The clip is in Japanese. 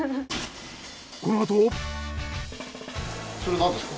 このあと。